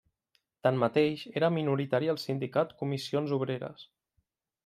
Tanmateix, era minoritari al sindicat Comissions Obreres.